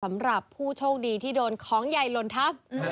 สำหรับผู้โชคดีที่โดนของใหญ่หล่นทับ